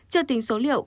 chưa tính số liệu